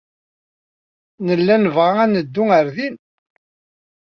Nella nebɣa ad neddu ɣer din.